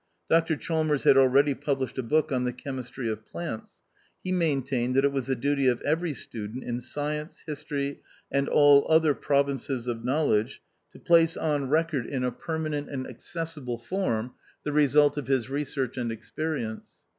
Dr Chalmers had already published a book on the chemistry of plants. He maintained that it was the duty of every student in science, history, and all other provinces of knowledge, to place on record in a perma 146 THE OUTCAST. Bent and accessible form the result of his research and experience.